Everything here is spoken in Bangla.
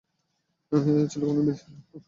এই ছেলে কোনো বিদেশির বাড়িতে আগে কাজ করত।